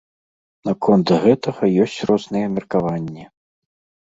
Наконт гэтага ёсць розныя меркаванні.